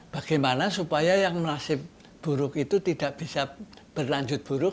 bagaimana supaya yang nasib buruk itu tidak bisa berlanjut buruk